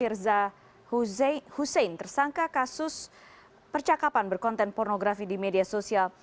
firza husein tersangka kasus percakapan berkonten pornografi di media sosial